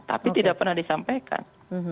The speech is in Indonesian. tapi tidak pernah disampaikan